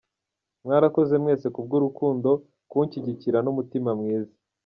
Mwarakoze mwese kubw’urukundo, kunshyigikira n’umutima mwiza.